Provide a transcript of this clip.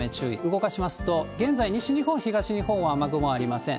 動かしますと、現在、西日本、東日本は雨雲ありません。